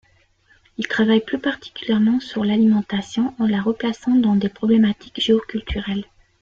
Il travaille plus particulièrement sur l'alimentation, en la replaçant dans des problématiques géo-culturelles.